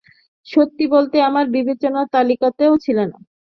সত্যি বলতে, আমার বিবেচনার তালিকাতেও ছিলে না।